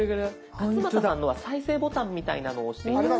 勝俣さんのは再生ボタンみたいなのを押して頂くと。